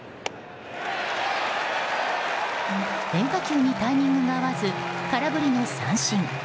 変化球にタイミングが合わず空振りの三振。